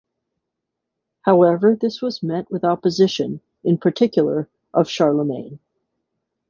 However this was met with opposition, in particular of Charlemagne.